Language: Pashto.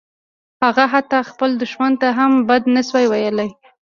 هغه حتی خپل دښمن ته هم بد نشوای ویلای